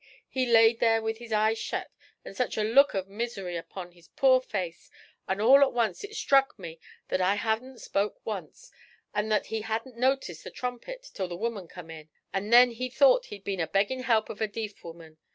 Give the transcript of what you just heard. he laid there with his eyes shet, an' sech a look of misery upon his poor face, an' all at once it struck me that I hadn't spoke once, an' that he hadn't noticed the trumpet till the woman come in, and then he thought he'd been a beggin' help of a deef woman.